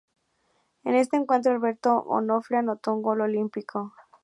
En este encuentro Alberto Onofre anotó un gol olímpico.